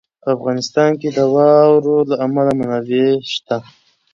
په افغانستان کې د واورو له امله منابع شته.